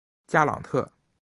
加朗特。